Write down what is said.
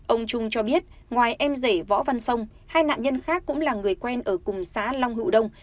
ông trung cho biết ngoài em rể võ văn sông hai nạn nhân khác cũng là người quen ở cùng xã long hữu đông